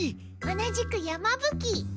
同じく山ぶ鬼。